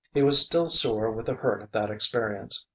He was still sore with the hurt of that experience.